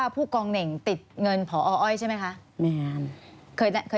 พระอร่อยไม่เคย